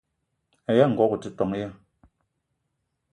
Aya ngogo o te ton ya?